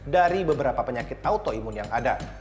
dari beberapa penyakit autoimun yang ada